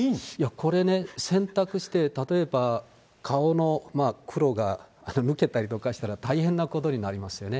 これね、洗濯して、例えば、顔の黒がむけたりとかしたら、大変なことになりますよね。